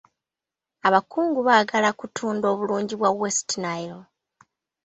Abankungu baagala kutunda obulungi bwa West Nile.